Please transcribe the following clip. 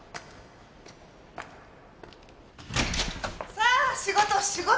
さあ仕事仕事！